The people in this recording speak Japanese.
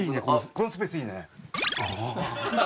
このスペースいいね。